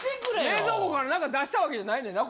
冷蔵庫から何か出したわけじゃないねんな